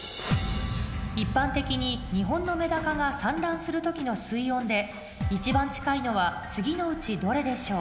一般的に日本のメダカが産卵する時の水温で一番近いのは次のうちどれでしょう？